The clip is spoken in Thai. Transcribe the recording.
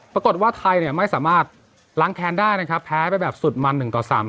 ปรากฏว่าไทยเนี่ยไม่สามารถล้างแคนได้นะครับแพ้ไปแบบสุดมัน๑ต่อ๓